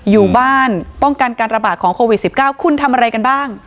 อยู่บ้านป้องกันการระบาดของโควิด๑๙คุณทำอะไรกันบ้าง